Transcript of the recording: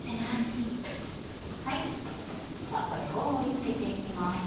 ではこれを盛り付けていきます。